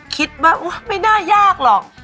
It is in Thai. คิดว่าไม่น่ายากหรอก